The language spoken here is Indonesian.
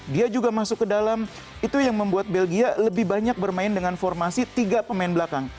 dia juga masuk ke dalam itu yang membuat belgia lebih banyak bermain dengan formasi tiga pemain belakang